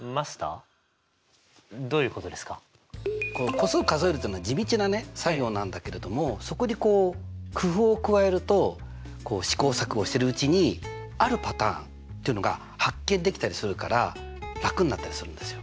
個数数えるというのは地道な作業なんだけれどもそこに工夫を加えると試行錯誤してるうちにあるパターンというのが発見できたりするから楽になったりするんですよ。